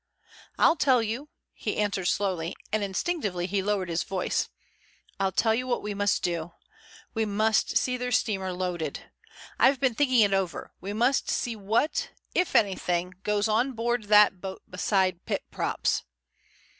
"I'll tell you," he answered slowly, and instinctively he lowered his voice. "I'll tell you what we must do. We must see their steamer loaded. I've been thinking it over. We must see what, if anything, goes on board that boat beside pit props."